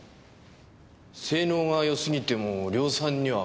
性能が良すぎても量産には向かねえか。